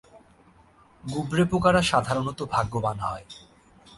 গুবরেপোকারা সাধারণত ভাগ্যবান হয়।